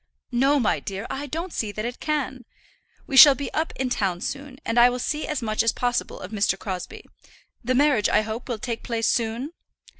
"No, my dear, I don't see that it can. We shall be up in town soon, and I will see as much as possible of Mr. Crosbie. The marriage, I hope, will take place soon."